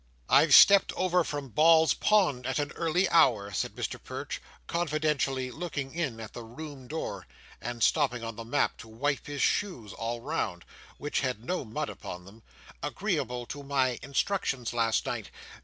"I've stepped over from Balls Pond at a early hour," said Mr Perch, confidentially looking in at the room door, and stopping on the mat to wipe his shoes all round, which had no mud upon them, "agreeable to my instructions last night.